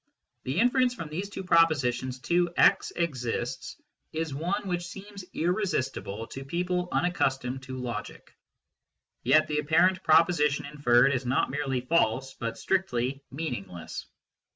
The inference from these two propositions to " x exists " is one which seems irresistible to people unaccustomed to logic ; yet the apparent proposition inferred is not merely false, but strictly meaningless.